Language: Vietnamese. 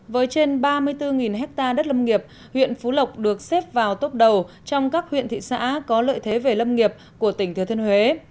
với trên ba mươi bốn hectare đất lâm nghiệp huyện phú lộc được xếp vào tốp đầu trong các huyện thị xã có lợi thế về lâm nghiệp của tỉnh thừa thiên huế